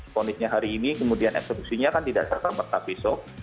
ponisnya hari ini kemudian eksekusinya kan tidak serta merta besok